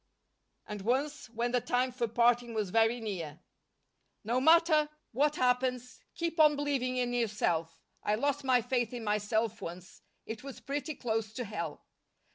And once, when the time for parting was very near, "No matter what happens, keep on believing in yourself. I lost my faith in myself once. It was pretty close to hell."